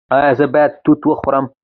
ایا زه باید توت وخورم؟